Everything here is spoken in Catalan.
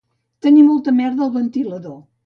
Tenir molta merda al ventilador